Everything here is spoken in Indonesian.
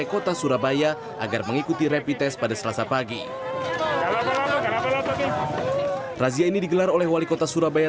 kota surabaya agar mengikuti rapid test pada selasa pagi razia ini digelar oleh wali kota surabaya